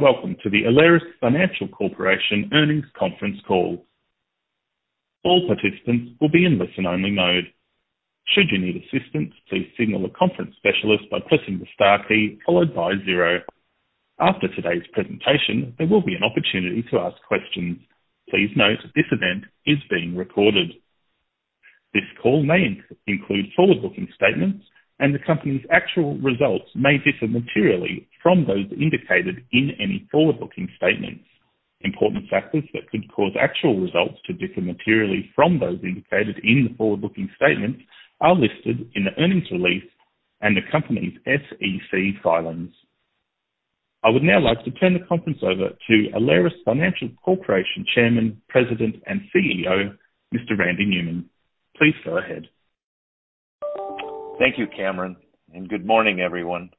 Welcome to the Alerus Financial Corporation earnings conference call. All participants will be in listen-only mode. Should you need assistance, please signal a conference specialist by pressing the star key followed by zero. After today's presentation, there will be an opportunity to ask questions. Please note this event is being recorded. This call may include forward-looking statements, and the company's actual results may differ materially from those indicated in any forward-looking statements. Important factors that could cause actual results to differ materially from those indicated in the forward-looking statements are listed in the earnings release and the company's SEC filings. I would now like to turn the conference over to Alerus Financial Corporation Chairman, President, and CEO, Mr. Randy Newman. Please go ahead. Thank you, Cameron. Good morning, everyone.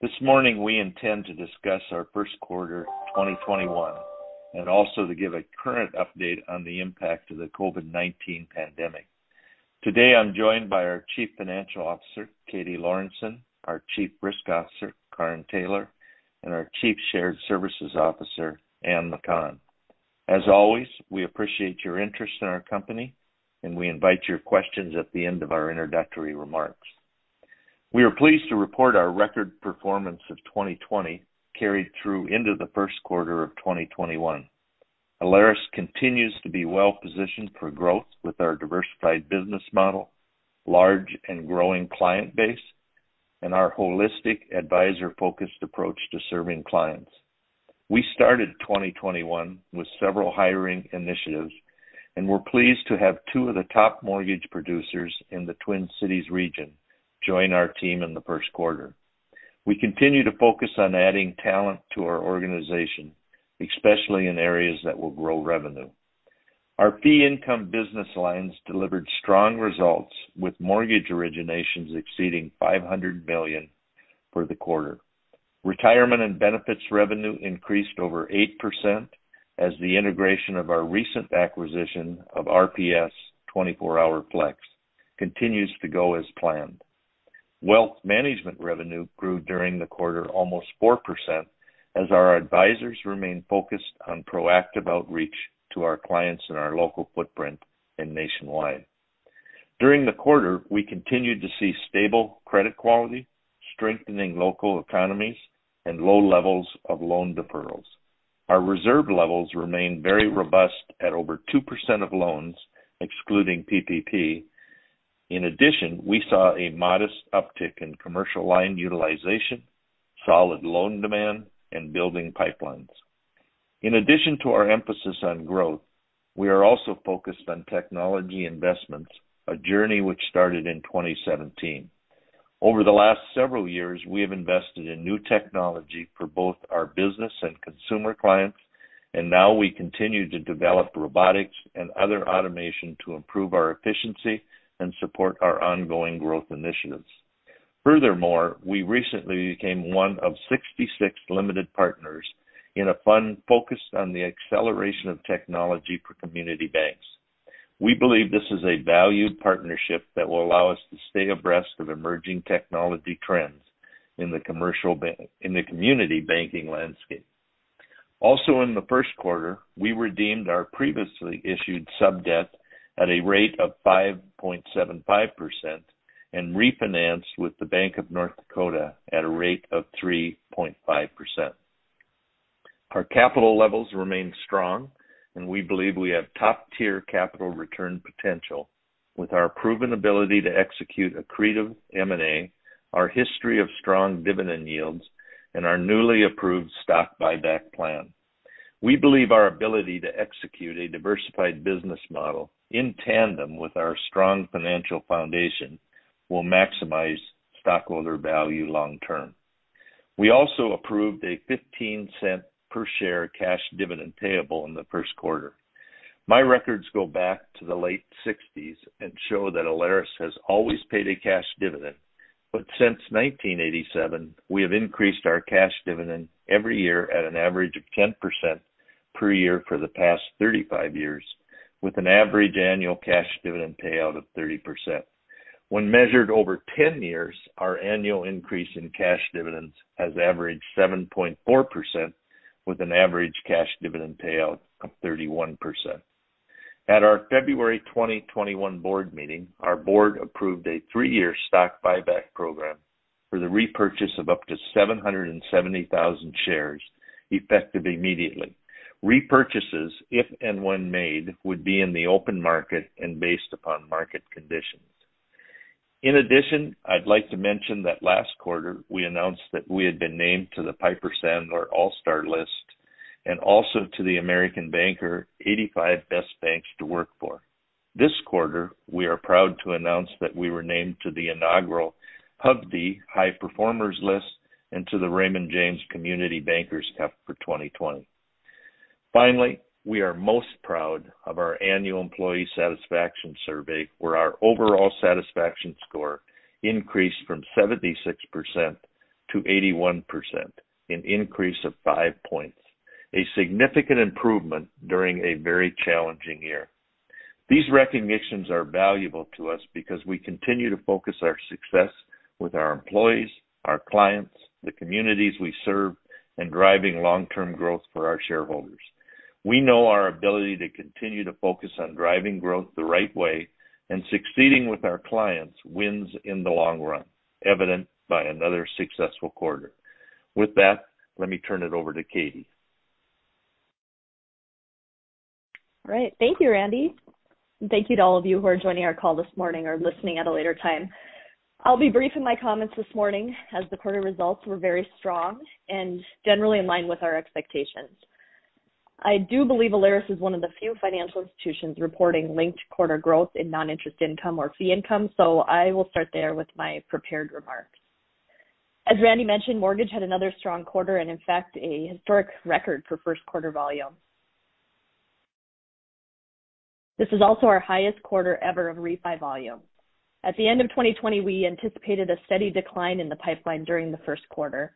This morning, we intend to discuss our first quarter 2021 and also to give a current update on the impact of the COVID-19 pandemic. Today, I'm joined by our Chief Financial Officer, Katie Lorenson, our Chief Risk Officer, Karin Taylor, and our Chief Shared Services Officer, Ann McConn. As always, we appreciate your interest in our company, and we invite your questions at the end of our introductory remarks. We are pleased to report our record performance of 2020 carried through into the first quarter of 2021. Alerus continues to be well-positioned for growth with our diversified business model, large and growing client base, and our holistic advisor-focused approach to serving clients. We started 2021 with several hiring initiatives and were pleased to have two of the top mortgage producers in the Twin Cities region join our team in the first quarter. We continue to focus on adding talent to our organization, especially in areas that will grow revenue. Our fee income business lines delivered strong results, with mortgage originations exceeding $500 million for the quarter. Retirement and benefits revenue increased over 8% as the integration of our recent acquisition of RPS 24HourFlex continues to go as planned. Wealth management revenue grew during the quarter almost 4% as our advisors remain focused on proactive outreach to our clients in our local footprint and nationwide. During the quarter, we continued to see stable credit quality, strengthening local economies, and low levels of loan deferrals. Our reserve levels remain very robust at over 2% of loans, excluding PPP. In addition, we saw a modest uptick in commercial line utilization, solid loan demand, and building pipelines. In addition to our emphasis on growth, we are also focused on technology investments, a journey which started in 2017. Over the last several years, we have invested in new technology for both our business and consumer clients, and now we continue to develop robotics and other automation to improve our efficiency and support our ongoing growth initiatives. Furthermore, we recently became one of 66 limited partners in a fund focused on the acceleration of technology for community banks. We believe this is a valued partnership that will allow us to stay abreast of emerging technology trends in the community banking landscape. Also in the first quarter, we redeemed our previously issued sub-debt at a rate of 5.75% and refinanced with the Bank of North Dakota at a rate of 3.5%. Our capital levels remain strong, and we believe we have top-tier capital return potential with our proven ability to execute accretive M&A, our history of strong dividend yields, and our newly approved stock buyback plan. We believe our ability to execute a diversified business model in tandem with our strong financial foundation will maximize stockholder value long-term. We also approved a $0.15 per share cash dividend payable in the first quarter. My records go back to the late 1960s and show that Alerus has always paid a cash dividend. Since 1987, we have increased our cash dividend every year at an average of 10% per year for the past 35 years, with an average annual cash dividend payout of 30%. When measured over 10 years, our annual increase in cash dividends has averaged 7.4%, with an average cash dividend payout of 31%. At our February 2021 board meeting, our board approved a three-year stock buyback program for the repurchase of up to 770,000 shares effective immediately. Repurchases, if and when made, would be in the open market and based upon market conditions. In addition, I'd like to mention that last quarter we announced that we had been named to the Piper Sandler All-Star list and also to the American Banker 85 Best Banks to Work For. This quarter, we are proud to announce that we were named to the inaugural Hovde High Performers list and to the Raymond James Community Bankers Cup for 2020. Finally, we are most proud of our annual employee satisfaction survey, where our overall satisfaction score increased from 76% to 81%, an increase of five points, a significant improvement during a very challenging year. These recognitions are valuable to us because we continue to focus our success with our employees, our clients, the communities we serve, and driving long-term growth for our shareholders. We know our ability to continue to focus on driving growth the right way and succeeding with our clients wins in the long run, evident by another successful quarter. With that, let me turn it over to Katie. All right. Thank you, Randy. Thank you to all of you who are joining our call this morning or listening at a later time. I'll be brief in my comments this morning, as the quarter results were very strong and generally in line with our expectations. I do believe Alerus is one of the few financial institutions reporting linked quarter growth in non-interest income or fee income. I will start there with my prepared remarks. As Randy mentioned, mortgage had another strong quarter and in fact, a historic record for first quarter volume. This is also our highest quarter ever of refi volume. At the end of 2020, we anticipated a steady decline in the pipeline during the first quarter.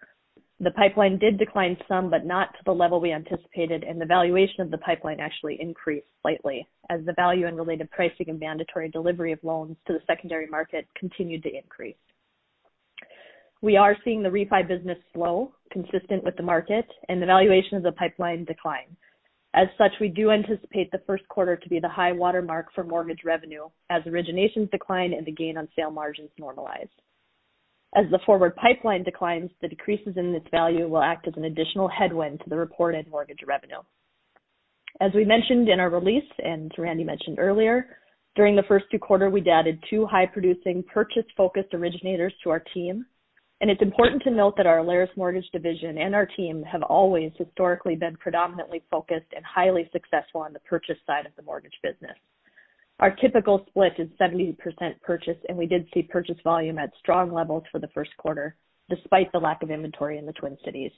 The pipeline did decline some, but not to the level we anticipated, and the valuation of the pipeline actually increased slightly as the value in related pricing and mandatory delivery of loans to the secondary market continued to increase. We are seeing the refi business slow, consistent with the market, and the valuation of the pipeline decline. As such, we do anticipate the first quarter to be the high watermark for mortgage revenue as originations decline and the gain on sale margins normalize. As the forward pipeline declines, the decreases in this value will act as an additional headwind to the reported mortgage revenue. As we mentioned in our release, and Randy mentioned earlier, during the first two quarter, we'd added two high-producing purchase-focused originators to our team. It's important to note that our Alerus mortgage division and our team have always historically been predominantly focused and highly successful on the purchase side of the mortgage business. Our typical split is 70% purchase. We did see purchase volume at strong levels for the first quarter, despite the lack of inventory in the Twin Cities.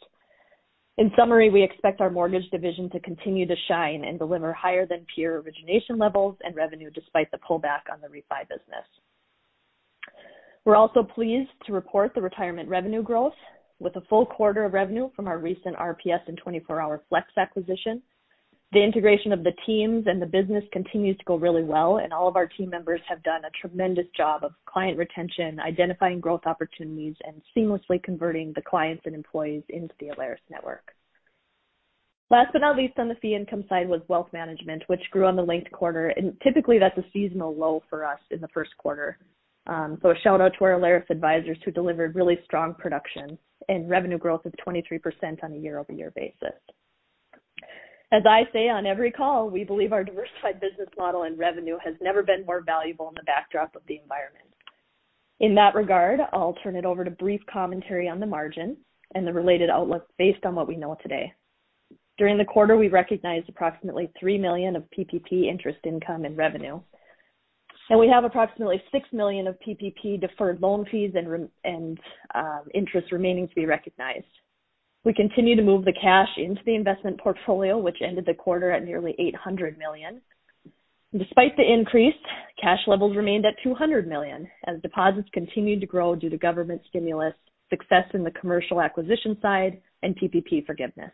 In summary, we expect our mortgage division to continue to shine and deliver higher than peer origination levels and revenue, despite the pullback on the refi business. We're also pleased to report the retirement revenue growth with a full quarter of revenue from our recent RPS and 24HourFlex acquisition. The integration of the teams and the business continues to go really well. All of our team members have done a tremendous job of client retention, identifying growth opportunities, and seamlessly converting the clients and employees into the Alerus network. Last but not least, on the fee income side was wealth management, which grew on the linked quarter, and typically that's a seasonal low for us in the first quarter. A shout-out to our Alerus advisors who delivered really strong production and revenue growth of 23% on a year-over-year basis. As I say on every call, we believe our diversified business model and revenue has never been more valuable in the backdrop of the environment. In that regard, I'll turn it over to brief commentary on the margin and the related outlook based on what we know today. During the quarter, we recognized approximately $3 million of PPP interest income and revenue, and we have approximately $6 million of PPP deferred loan fees and interest remaining to be recognized. We continue to move the cash into the investment portfolio, which ended the quarter at nearly $800 million. Despite the increase, cash levels remained at $200 million as deposits continued to grow due to government stimulus, success in the commercial acquisition side, and PPP forgiveness.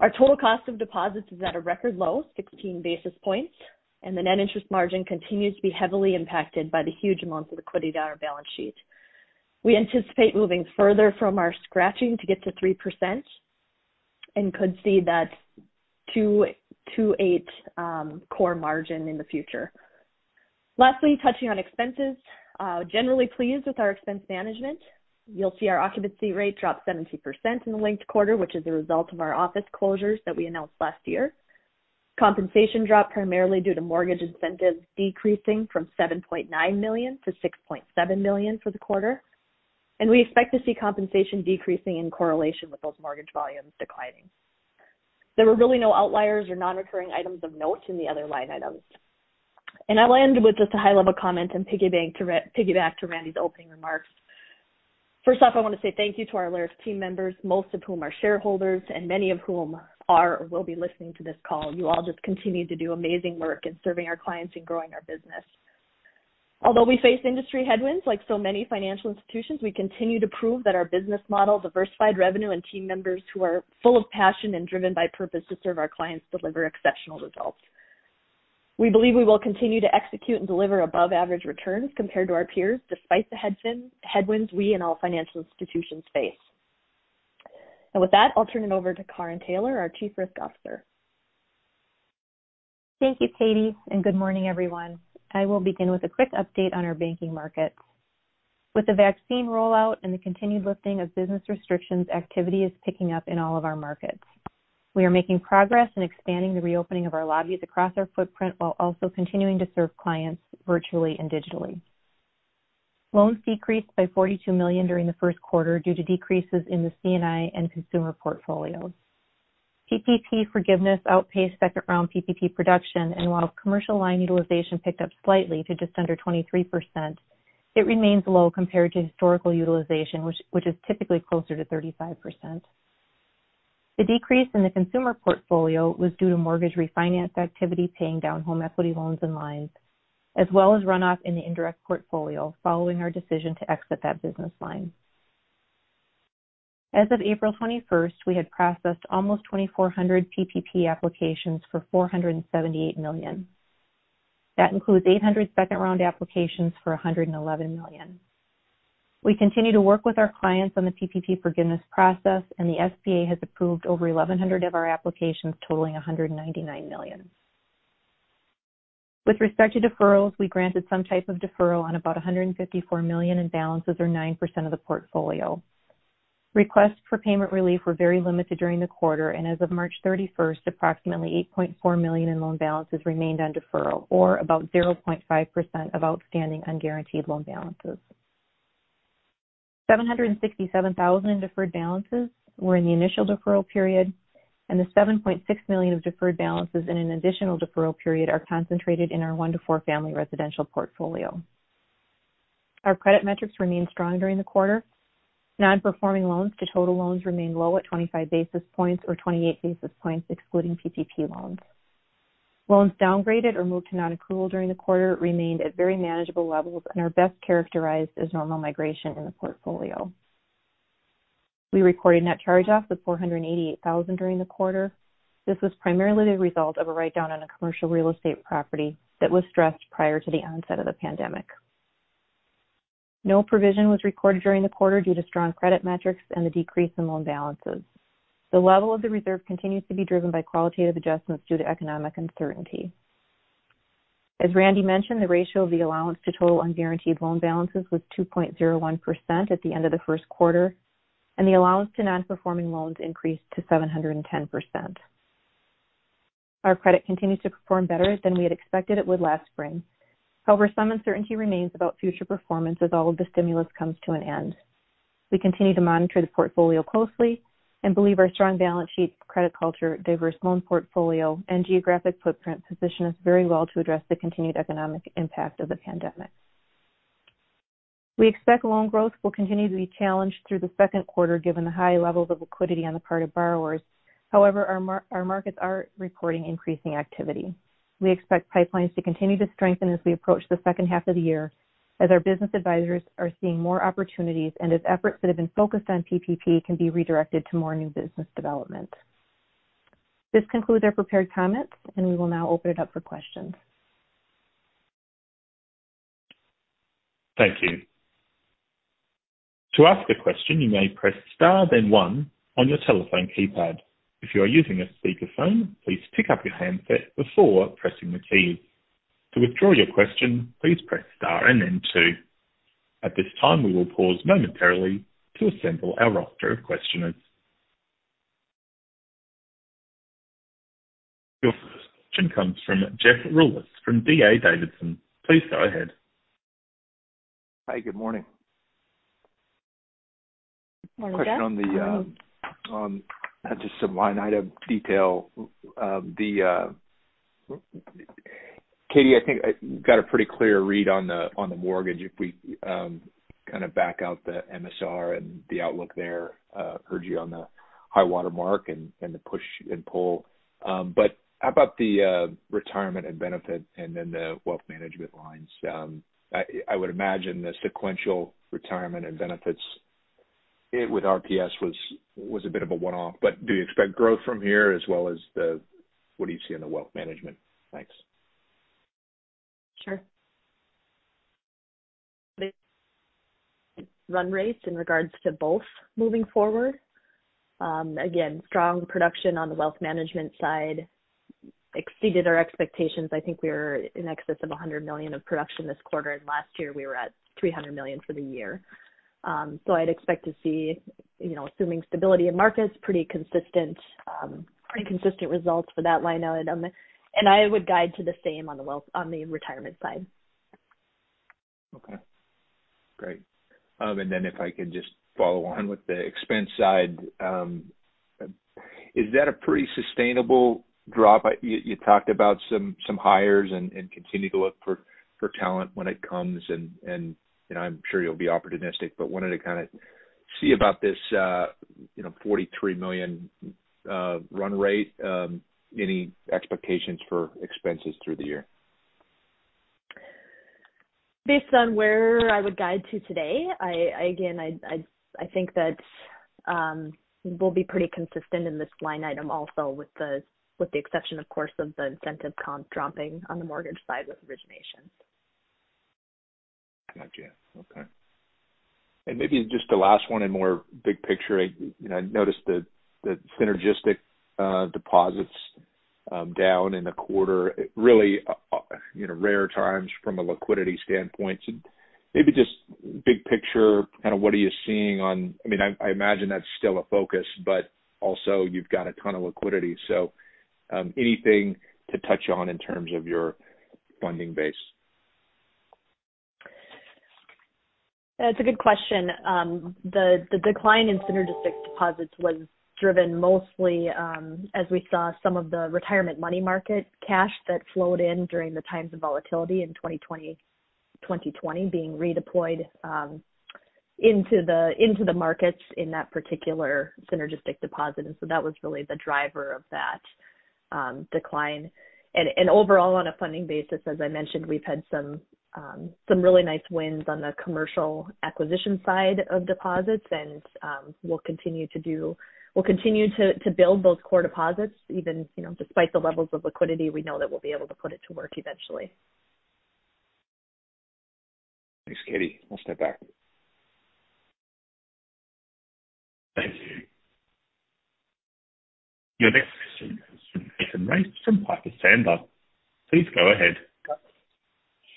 Our total cost of deposits is at a record low 16 basis points. The net interest margin continues to be heavily impacted by the huge amounts of liquidity on our balance sheet. We anticipate moving further from our scratching to get to 3% and could see that 2.8% core margin in the future. Lastly, touching on expenses. Generally pleased with our expense management. You'll see our occupancy rate dropped 17% in the linked quarter, which is a result of our office closures that we announced last year. Compensation dropped primarily due to mortgage incentives decreasing from $7.9 million-$6.7 million for the quarter. We expect to see compensation decreasing in correlation with those mortgage volumes declining. There were really no outliers or non-recurring items of note in the other line items. I land with just a high-level comment and piggyback to Randy's opening remarks. First off, I want to say thank you to our Alerus team members, most of whom are shareholders and many of whom are or will be listening to this call. You all just continue to do amazing work in serving our clients and growing our business. Although we face industry headwinds like so many financial institutions, we continue to prove that our business model, diversified revenue, and team members who are full of passion and driven by purpose to serve our clients deliver exceptional results. We believe we will continue to execute and deliver above-average returns compared to our peers, despite the headwinds we and all financial institutions face. With that, I'll turn it over to Karin Taylor, our Chief Risk Officer. Thank you, Katie, and good morning, everyone. I will begin with a quick update on our banking markets. With the vaccine rollout and the continued lifting of business restrictions, activity is picking up in all of our markets. We are making progress in expanding the reopening of our lobbies across our footprint while also continuing to serve clients virtually and digitally. Loans decreased by $42 million during the first quarter due to decreases in the C&I and consumer portfolios. PPP forgiveness outpaced second-round PPP production, and while commercial line utilization picked up slightly to just under 23%, it remains low compared to historical utilization, which is typically closer to 35%. The decrease in the consumer portfolio was due to mortgage refinance activity, paying down home equity loans and lines, as well as runoff in the indirect portfolio following our decision to exit that business line. As of April 21st, we had processed almost 2,400 PPP applications for $478 million. That includes 800 second-round applications for $111 million. We continue to work with our clients on the PPP forgiveness process. The SBA has approved over 1,100 of our applications, totaling $199 million. With respect to deferrals, we granted some type of deferral on about $154 million in balances, or 9% of the portfolio. Requests for payment relief were very limited during the quarter. As of March 31st, approximately $8.4 million in loan balances remained on deferral, or about 0.5% of outstanding unguaranteed loan balances. $767,000 in deferred balances were in the initial deferral period, and the $7.6 million of deferred balances in an additional deferral period are concentrated in our one to four family residential portfolio. Our credit metrics remained strong during the quarter. Non-performing loans to total loans remained low at 25 basis points or 28 basis points excluding PPP loans. Loans downgraded or moved to non-accrual during the quarter remained at very manageable levels and are best characterized as normal migration in the portfolio. We recorded net charge-offs of $488,000 during the quarter. This was primarily the result of a write-down on a commercial real estate property that was stressed prior to the onset of the pandemic. No provision was recorded during the quarter due to strong credit metrics and the decrease in loan balances. The level of the reserve continues to be driven by qualitative adjustments due to economic uncertainty. As Randy mentioned, the ratio of the allowance to total unguaranteed loan balances was 2.01% at the end of the first quarter, and the allowance to non-performing loans increased to 710%. Our credit continues to perform better than we had expected it would last spring. However, some uncertainty remains about future performance as all of the stimulus comes to an end. We continue to monitor the portfolio closely and believe our strong balance sheet, credit culture, diverse loan portfolio, and geographic footprint position us very well to address the continued economic impact of the pandemic. We expect loan growth will continue to be challenged through the second quarter given the high levels of liquidity on the part of borrowers. However, our markets are reporting increasing activity. We expect pipelines to continue to strengthen as we approach the second half of the year as our business advisors are seeing more opportunities and as efforts that have been focused on PPP can be redirected to more new business development. This concludes our prepared comments, and we will now open it up for questions. Thank you. To ask a question, you may press star then one on your telephone keypad. If you are using a speakerphone, please pick up your handset before pressing the key. To withdraw your question, please press star and then two. At this time, we will pause momentarily to assemble our roster of questioners. Your first question comes from Jeff Rulis from D.A. Davidson. Please go ahead. Hi, good morning. Morning, Jeff. Question on just some line item detail. Katie, I think I got a pretty clear read on the mortgage. If we kind of back out the MSR and the outlook there, heard you on the high water mark and the push and pull. How about the retirement and benefit and then the wealth management lines? I would imagine the sequential retirement and benefits hit with RPS was a bit of a one-off, but do you expect growth from here as well as what do you see on the wealth management? Thanks. Sure. Run rates in regards to both moving forward. Again, strong production on the wealth management side exceeded our expectations. I think we were in excess of $100 million of production this quarter, and last year we were at $300 million for the year. I'd expect to see, assuming stability in markets, pretty consistent results for that line item. I would guide to the same on the retirement side. Okay, great. If I could just follow on with the expense side. Is that a pretty sustainable drop? You talked about some hires and continue to look for talent when it comes, and I'm sure you'll be opportunistic, but wanted to kind of see about this $43 million run rate. Any expectations for expenses through the year? Based on where I would guide to today, again, I think that we'll be pretty consistent in this line item also with the exception, of course, of the incentive comp dropping on the mortgage side with origination. Got you. Okay. Maybe just the last one and more big picture. I noticed that synergistic deposits down in the quarter, really rare times from a liquidity standpoint. Maybe just big picture, kind of what are you seeing? I imagine that's still a focus, but also you've got a ton of liquidity. Anything to touch on in terms of your funding base? That's a good question. The decline in synergistic deposits was driven mostly as we saw some of the retirement money market cash that flowed in during the times of volatility in 2020 being redeployed into the markets in that particular synergistic deposit. That was really the driver of that. Decline. Overall on a funding basis, as I mentioned, we've had some really nice wins on the commercial acquisition side of deposits and we'll continue to build those core deposits even despite the levels of liquidity, we know that we'll be able to put it to work eventually. Thanks, Katie. I'll step back. Thank you. Your next question is from Nathan Race from Piper Sandler. Please go ahead.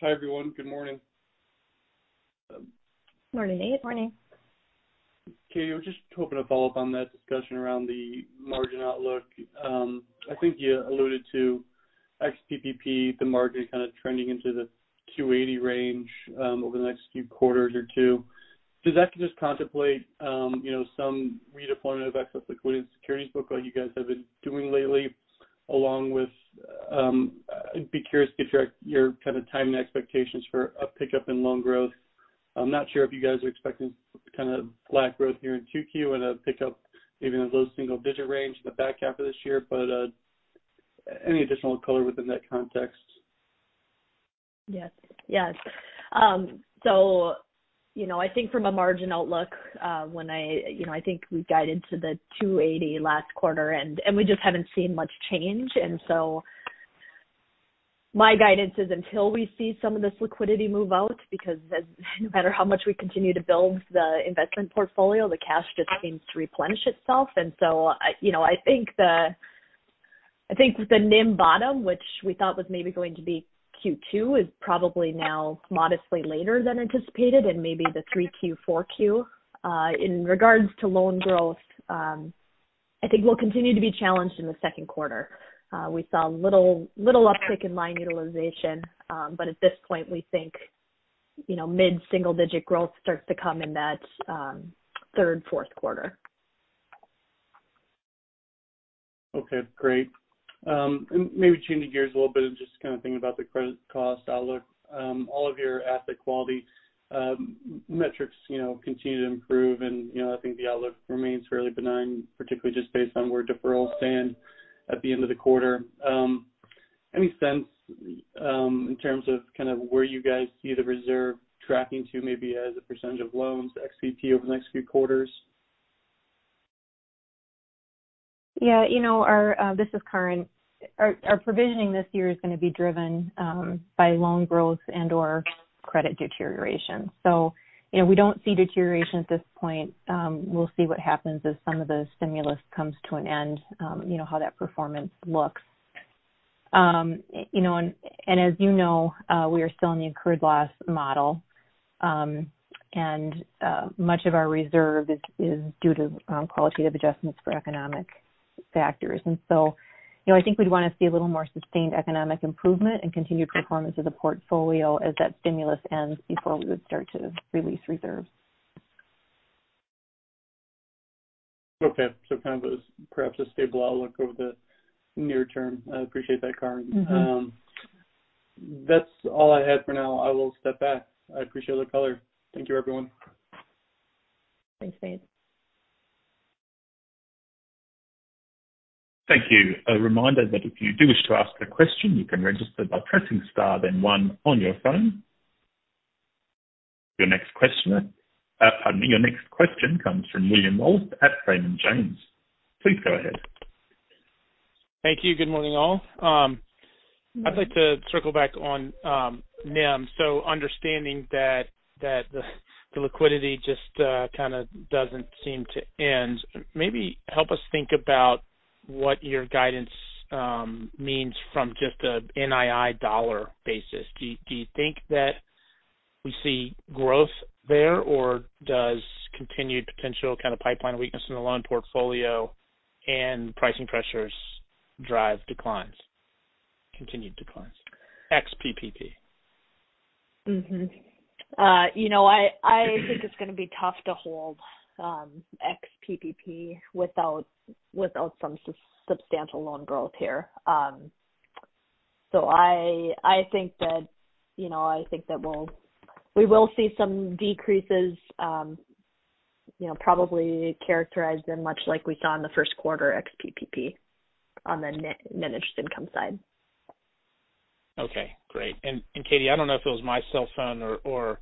Hi, everyone. Good morning. Morning, Nate. Morning. Katie, I was just hoping to follow up on that discussion around the margin outlook. I think you alluded to ex PPP, the margin kind of trending into the 280 range, over the next few quarters or two. Does that just contemplate some redeployment of excess liquidity in the securities book like you guys have been doing lately? I'd be curious to get your kind of timing expectations for a pickup in loan growth. I'm not sure if you guys are expecting kind of flat growth here in Q2 and a pickup maybe in the low single-digit range in the back half of this year. Any additional color within that context? Yes. I think from a margin outlook, when I think we guided to the 280 last quarter and we just haven't seen much change. My guidance is until we see some of this liquidity move out, because no matter how much we continue to build the investment portfolio, the cash just seems to replenish itself. I think the NIM bottom, which we thought was maybe going to be Q2, is probably now modestly later than anticipated and maybe the 3Q, 4Q. In regards to loan growth, I think we'll continue to be challenged in the second quarter. We saw little uptick in line utilization. At this point, we think mid-single digit growth starts to come in that third, fourth quarter. Okay, great. Maybe changing gears a little bit and just kind of thinking about the credit cost outlook. All of your asset quality metrics continue to improve and I think the outlook remains fairly benign, particularly just based on where deferrals stand at the end of the quarter. Any sense, in terms of kind of where you guys see the reserve tracking to maybe as a percentage of loans ex PPP over the next few quarters? This is Karin. Our provisioning this year is going to be driven by loan growth and/or credit deterioration. We don't see deterioration at this point. We'll see what happens as some of the stimulus comes to an end, how that performance looks. As you know, we are still in the incurred loss model. Much of our reserve is due to qualitative adjustments for economic factors. I think we'd want to see a little more sustained economic improvement and continued performance of the portfolio as that stimulus ends before we would start to release reserves. Okay. kind of perhaps a stable outlook over the near-term. I appreciate that, Karin. That's all I had for now. I will step back. I appreciate the color. Thank you everyone. Thanks, Nate. Thank you. A reminder that if you do wish to ask a question, you can register by pressing star then one on your phone. Your next question comes from William Wolf at Raymond James. Please go ahead. Thank you. Good morning all. I'd like to circle back on NIM. Understanding that the liquidity just kind of doesn't seem to end. Maybe help us think about what your guidance means from just an NII dollar basis. Do you think that we see growth there or does continued potential kind of pipeline weakness in the loan portfolio and pricing pressures drive declines? Continued declines, ex PPP. I think it's going to be tough to hold ex PPP without some substantial loan growth here. I think that we'll see some decreases probably characterized in much like we saw in the first quarter ex PPP on the net interest income side. Okay, great. Katie, I don't know if it was my cell phone or what,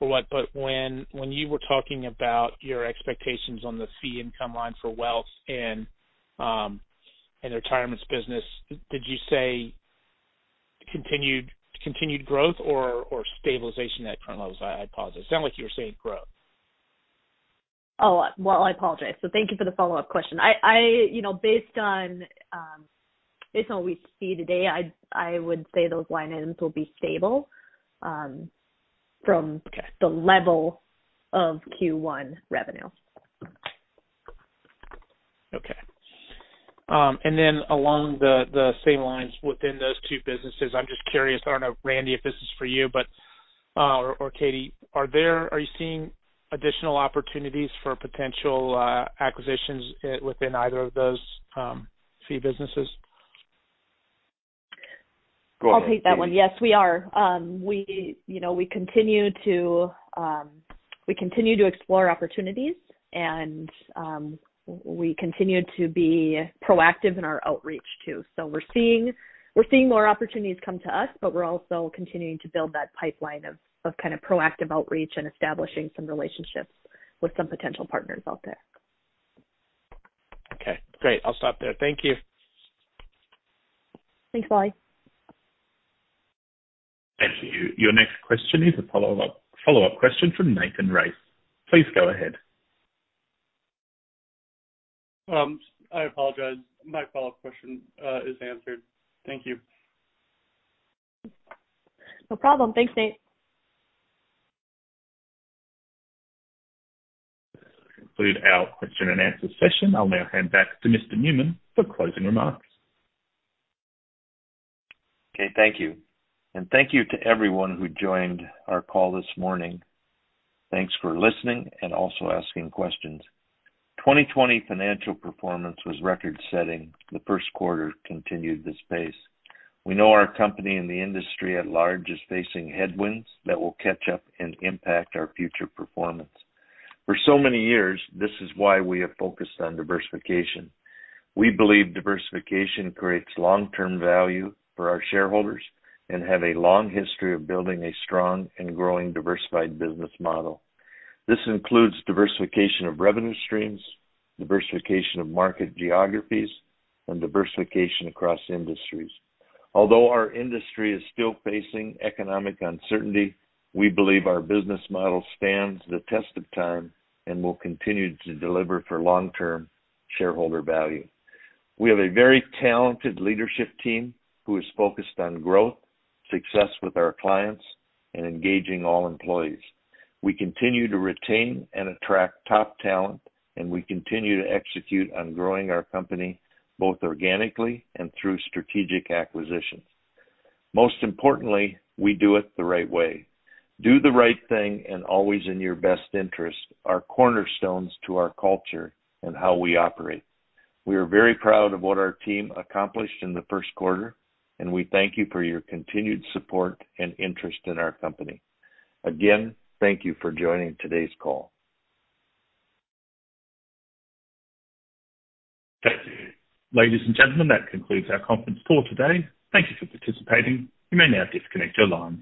but when you were talking about your expectations on the fee income line for wealth and retirements business, did you say continued growth or stabilization at current levels? I apologize. It sounded like you were saying growth. Oh, well, I apologize. Thank you for the follow-up question. Based on what we see today, I would say those line items will be stable from the level of Q1 revenue. Okay. Along the same lines within those two businesses, I'm just curious, I don't know, Randy, if this is for you, or Katie. Are you seeing additional opportunities for potential acquisitions within either of those fee businesses? I'll take that one. Yes, we are. We continue to explore opportunities, and we continue to be proactive in our outreach, too. We're seeing more opportunities come to us, but we're also continuing to build that pipeline of proactive outreach and establishing some relationships with some potential partners out there. Okay, great. I'll stop there. Thank you. Thanks, Wolf. Thank you. Your next question is a follow-up question from Nathan Race. Please go ahead. I apologize. My follow-up question is answered. Thank you. No problem. Thanks, Nate. That concludes our question and answer session. I'll now hand back to Mr. Newman for closing remarks. Okay. Thank you. Thank you to everyone who joined our call this morning. Thanks for listening and also asking questions. 2020 financial performance was record-setting. The first quarter continued this pace. We know our company and the industry at large is facing headwinds that will catch up and impact our future performance. For so many years, this is why we have focused on diversification. We believe diversification creates long-term value for our shareholders and have a long history of building a strong and growing diversified business model. This includes diversification of revenue streams, diversification of market geographies, and diversification across industries. Although our industry is still facing economic uncertainty, we believe our business model stands the test of time and will continue to deliver for long-term shareholder value. We have a very talented leadership team who is focused on growth, success with our clients, and engaging all employees. We continue to retain and attract top talent, and we continue to execute on growing our company both organically and through strategic acquisitions. Most importantly, we do it the right way. Do the right thing and always in your best interest are cornerstones to our culture and how we operate. We are very proud of what our team accomplished in the first quarter, and we thank you for your continued support and interest in our company. Again, thank you for joining today's call. Thank you. Ladies and gentlemen, that concludes our conference call today. Thank you for participating. You may now disconnect your line.